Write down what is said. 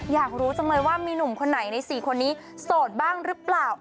อยากรู้จังเลยว่ามีหนุ่มใครในสี่คนนี้สดบ้างรึเปล่า